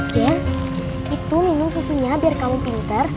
den itu minum susunya biar kamu pinter